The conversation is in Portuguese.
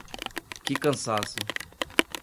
Que cansaço!